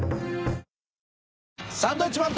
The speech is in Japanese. サンドウィッチマンと。